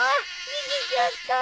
逃げちゃった。